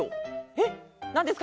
えっなんですか？